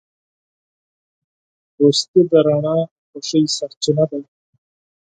دوستي د رڼا او خوښۍ سرچینه ده.